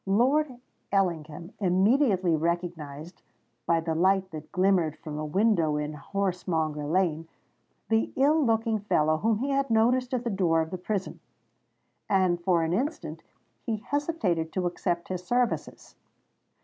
Lord Ellingham immediately recognised, by the light that glimmered from a window in Horsemonger Lane, the ill looking fellow whom he had noticed at the door of the prison; and for an instant he hesitated to accept his services.